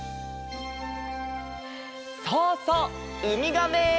そうそうウミガメ！